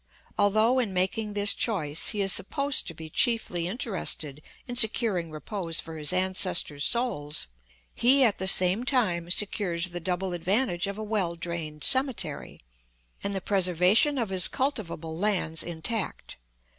Although in making this choice he is supposed to be chiefly interested in securing repose for his ancestors' souls, he at the same time secures the double advantage of a well drained cemetery, and the preservation of his cultivable lands intact.